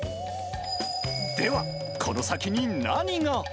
では、この先に何が。